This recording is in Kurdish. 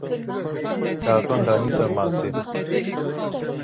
Karton danî ser masê.